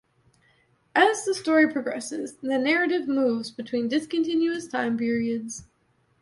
As the story progresses, the narrative moves between discontinuous time periods.